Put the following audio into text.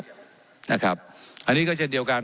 ว่าการกระทรวงบาทไทยนะครับ